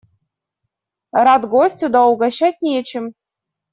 Рад гостю, да угощать нечем.